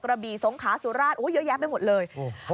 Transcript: กระบี่สงขาสุราชเยอะแยะไปหมดเลย